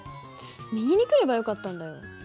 右に来ればよかったんだよ。